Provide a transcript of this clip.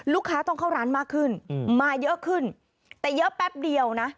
ลูกค้าต้องเข้าร้านมากขึ้นมาเยอะขึ้นแต่เยอะแป๊บเดียวนะ